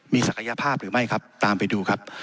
มีศักยภาพหรือไม่ครับตามไปดูครับ